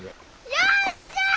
よっしゃあ！